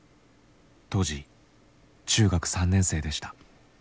当時中学３年生でした。